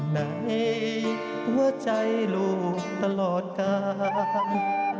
ในหัวใจลูกตลอดการ